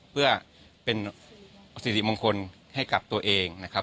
เพื่อเป็นสิริมงคลให้กับตัวเองนะครับ